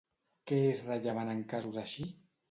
Què és rellevant en casos així?